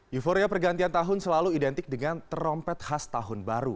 euforia pergantian tahun selalu identik dengan trompet khas tahun baru